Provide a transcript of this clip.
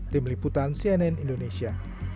tim liputan cnn indonesia